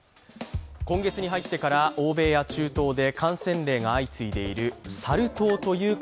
今月に入ってから欧米や中東で感染例が相次いでいるサル痘。